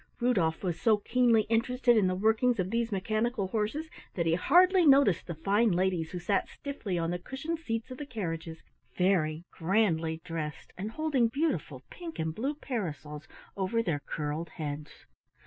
Rudolf was so keenly interested in the working of these mechanical horses, that he hardly noticed the fine ladies who sat stiffly on the cushioned seats of the carriages, very grandly dressed, and holding beautiful pink and blue parasols over their curled heads.